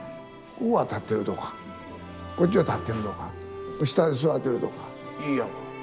ここは立ってるとかこっちは立ってるとか下で座ってるとかいいやんか。